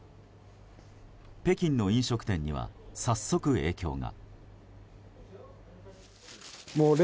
北京の飲食店には早速、影響が。